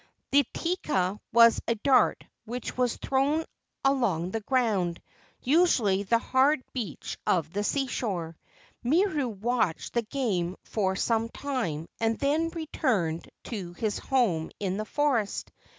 The teka was a dart which was thrown along the ground, usually the hard beach of the seashore. Miru watched the game for some time and then returned to his home in the forest.